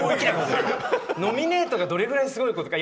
ノミネートがどれぐらいすごいことか。